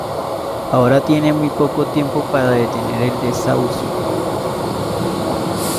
Ahora tienen muy poco tiempo para detener el desahucio.